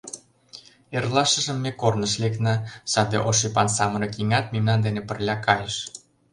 Эрлашыжым ме корныш лекна, саде ош ӱпан самырык еҥат мемнан дене пырля кайыш.